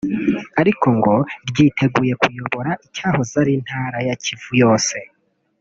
ariko ngo ryiteguye kuyobora icyahoze ari intara ya Kivu yose